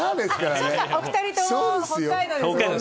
あっそうかお二人とも北海道ですもんね